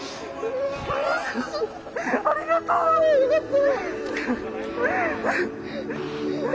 ありがとう！よかった。